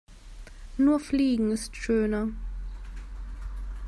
Nur Fliegen ist schöner.